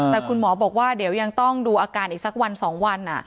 แต่คุณหมอบอกว่าเดี๋ยวยังต้องดูอาการอีกสักวัน๒วัน